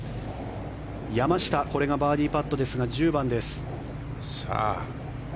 山下これがバーディーパットですが１０番です。